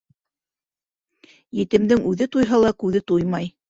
Етемдең үҙе туйһа ла күҙе туймай.